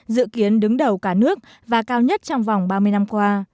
dự kiến đứng đầu cả nước và cao nhất trong vòng ba mươi năm qua